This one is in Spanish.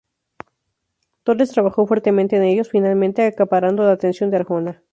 Torres trabajó fuertemente en ellos, finalmente acaparando la atención de Arjona.